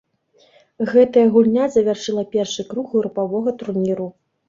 Гэтая гульня завяршыла першы круг групавога турніру.